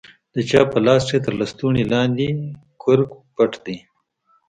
د چا په لاس کښې تر لستوڼي لاندې کرک پټ دى.